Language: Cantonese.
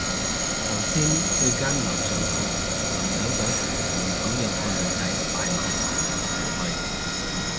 頭先去間樓上鋪，臨走嗰時門口有個女仔帶埋男友上去